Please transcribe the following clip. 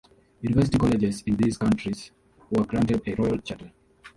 University colleges in these countries were granted a Royal Charter.